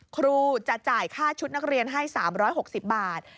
ครูจะจ่ายค่าชุดนักเรียนให้๓๖๐บาท